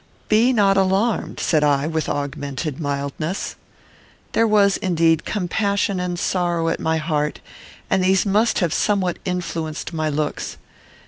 "Be not alarmed," said I, with augmented mildness. There was, indeed, compassion and sorrow at my heart, and these must have somewhat influenced my looks.